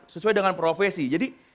sesuai dengan profesi jadi